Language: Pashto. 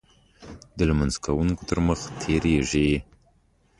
د لمونځ کوونکو تر مخې تېرېږي.